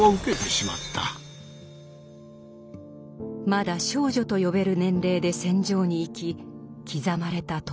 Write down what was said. まだ少女と呼べる年齢で戦場に行き刻まれたトラウマ。